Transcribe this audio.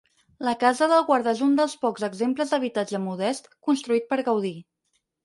La Casa del Guarda és un dels pocs exemples d'habitatge modest construït per Gaudí.